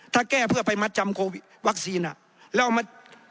ถ้าแก้เพื่อไปมัดจำโควิดวัคซีนอ่ะแล้วเอามา